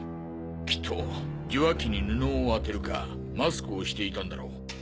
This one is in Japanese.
きっと受話器に布を当てるかマスクをしていたんだろう。